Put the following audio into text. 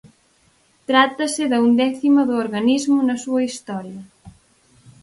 Trátase da undécima do organismo na súa historia.